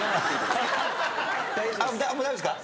もう大丈夫ですか？